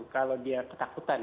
kalau dia ketakutan